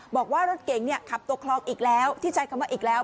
บอกว่ารถเก๋งขับตกคลองอีกแล้วที่ใช้คำว่าอีกแล้ว